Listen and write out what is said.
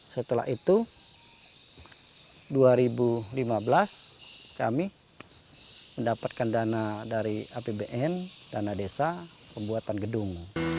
setelah itu dua ribu lima belas kami mendapatkan dana dari apbn dana desa pembuatan gedung